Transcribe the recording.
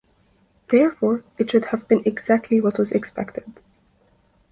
Therefore, it should have been exactly what was expected.